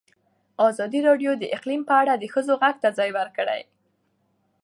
ازادي راډیو د اقلیم په اړه د ښځو غږ ته ځای ورکړی.